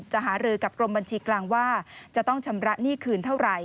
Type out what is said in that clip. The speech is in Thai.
หารือกับกรมบัญชีกลางว่าจะต้องชำระหนี้คืนเท่าไหร่